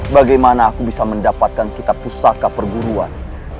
bagaimana aku bisa mendapatkan kita pusaka perguruan